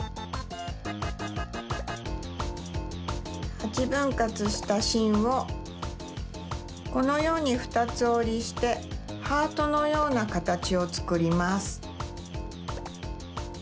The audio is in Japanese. ８ぶんかつしたしんをこのようにふたつおりしてハートのようなかたちをつくります。